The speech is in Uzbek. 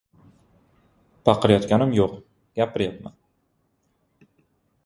— Baqirayotganim yo‘q, gapirayapman.